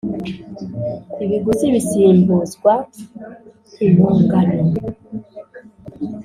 ibiguzi bisimbuzwa impongano.